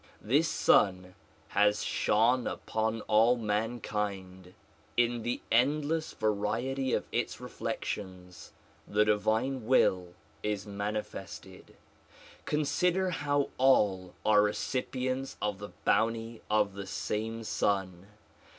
This Sun has shone upon all mankind. In the endless variety of its reflections the divine will is manifested. Consider how all are recipients of the bounty of the same Sun.